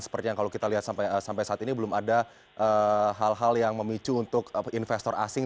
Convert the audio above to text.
seperti yang kalau kita lihat sampai saat ini belum ada hal hal yang memicu untuk investor asing